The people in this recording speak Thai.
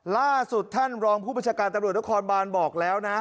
ล่าสุดท่านรองผู้ประชาการตำรวจนครบานบอกแล้วนะ